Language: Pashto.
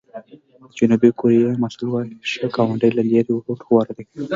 د جنوبي کوریا متل وایي ښه ګاونډی له لرې ورور غوره دی.